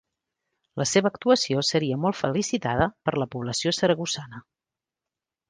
La seva actuació seria molt felicitada per la població saragossana.